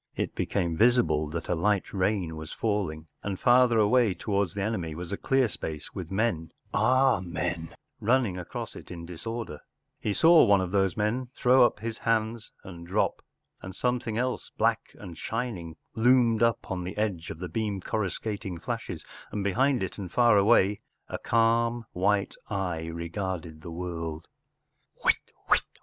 It became visible that a light rain was falling, and farther away towards the enemy was a dear space with men—“ our men ? n —running across it in disorder. He saw one of those men throw up his hands and drop. And something else black and shining loomed up on the edge of the beam coruscating flashes ; and behind it and far away a calm, white eye regarded the world, “ Whit, whit, whit,” sang something in the air, THE LAND IRONCLADS.